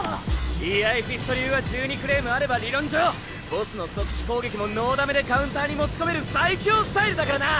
イアイフィスト流は１２フレームあれば理論上ボスの即死攻撃もノーダメでカウンターに持ち込める最強スタイルだからな。